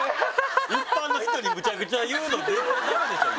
一般の人にむちゃくちゃ言うの絶対駄目でしょ今。